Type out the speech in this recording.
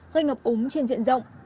gây ngập úng trên diện rộng